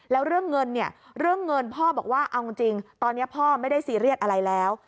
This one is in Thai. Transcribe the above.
แล้วเรื่องเงินเนี่ยเรื่องเงินพ่อบอกว่าเอาจริงตอนนี้พ่อไม่ได้ซีเรียสอะไรแล้ว